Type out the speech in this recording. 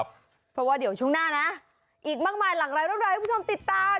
เพราะว่าเดี๋ยวช่วงหน้านะอีกมากมายหลังไลฟ์รอบด้วยให้ผู้ชมติดตาม